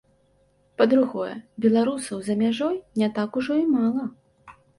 Па-другое, беларусаў за мяжой не так ужо і мала.